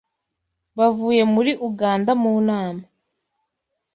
bavuye muri Uganda mu nama